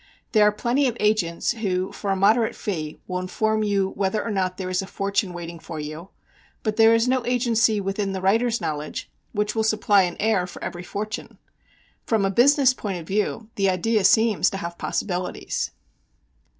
There are plenty of "agents" who for a moderate fee will inform you whether or not there is a fortune waiting for you, but there is no agency within the writer's knowledge which will supply an heir for every fortune. From a business point of view the idea seems to have possibilities.